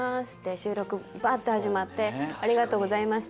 収録バンって始まってありがとうござました！